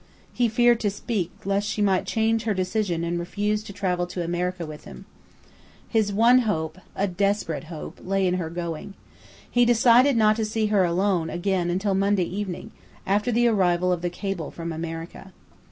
He feared to speak lest she might change her decision and refuse to travel to America with him. His one hope a desperate hope lay in her going. He decided not to see her alone again until Monday evening, after the arrival of the cable from America.